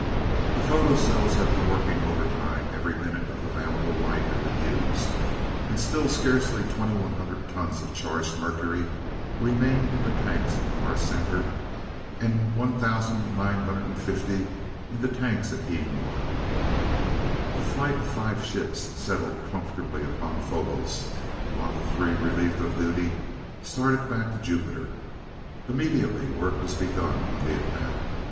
The photocells had been working overtime, every minute of available light had been used, and still scarcely 2100 tons of charged mercury remained in the tanks of Mars Center and 1950 in the tanks at Deenmor. The flight of five ships settled comfortably upon Phobos, while the three relieved of duty started back to Jupiter. Immediately work was begun on the attack.